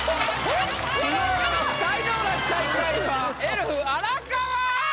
才能ナシ最下位はエルフ荒川！